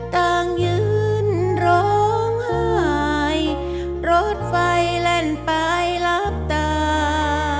ต่างยืนร้องหายรถไฟแลนด์ปลายลับตา